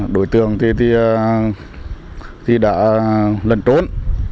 đối tượng thì đã lần trốn